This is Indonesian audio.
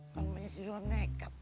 kan rumahnya sisulam nekat